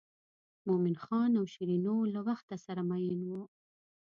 مومن خان او شیرینو له وخته سره مئین وو.